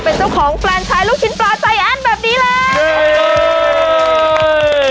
เป็นเจ้าของแฟนชายลูกชิ้นปลาใจแอ้นแบบนี้เลย